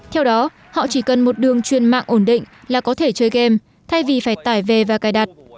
theo đó họ chỉ cần một đường truyền mạng ổn định là có thể chơi game thay vì phải tải về và cài đặt